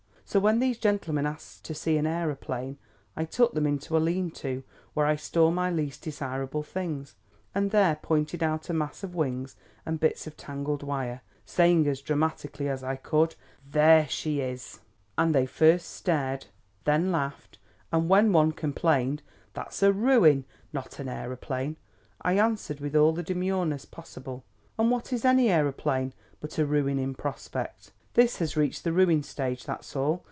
So when these gentlemen asked to see an aeroplane, I took them into a lean to where I store my least desirable things, and there pointed out a mass of wings and bits of tangled wire, saying as dramatically as I could: 'There she is!' And they first stared, then laughed; and when one complained: 'That's a ruin, not an aeroplane,' I answered with all the demureness possible; 'and what is any aeroplane but a ruin in prospect? This has reached the ruin stage; that's all.'